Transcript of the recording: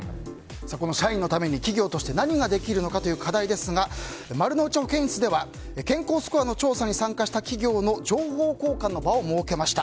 この社員のために企業として何ができるのかという課題ですがまるのうち保健室では健康スコアの調査に参加した企業の情報交換の場を設けました。